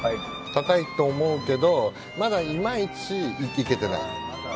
高いと思うけどまだいまいちいけてない。